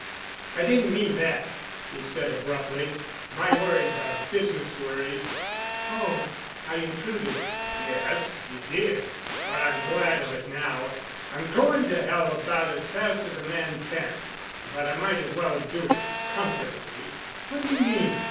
"I didn't mean that," he said abruptly. "My worries are business worries." "Oh! I intruded." "Yes, you did. But I'm glad of it now. I'm going to Hell about as fast as a man can, but I might as well do it comfortably." "What do you mean?"